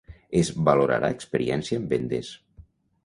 Es valorarà experiència en vendes.